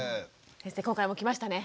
今回もきましたね。